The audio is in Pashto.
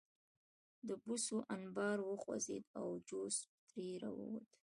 د بوسو انبار وخوځېد او جوزف ترې راووت